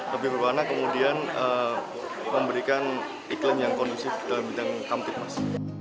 lebih berwarna kemudian memberikan iklim yang kondusif dalam bidang kamtipmas